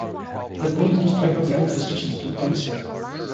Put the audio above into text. Their goal is to strike down the marriage restrictions in every state.